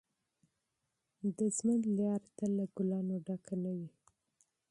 د ژوند لاره تل له ګلانو ډکه نه وي.